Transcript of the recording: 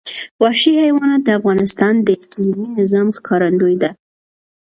وحشي حیوانات د افغانستان د اقلیمي نظام ښکارندوی ده.